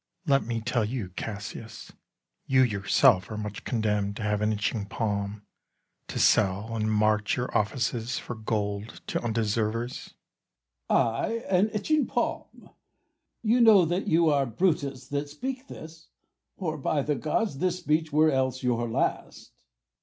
Bru. Let me tell you, Cassius, you yourself Are much condemn'd to have an itching palm; To sell and mart your offices for gold To undeservers. Cas. I an itching palm! You know that you are Brutus that speak this, Or, by the gods, this speech were else your last.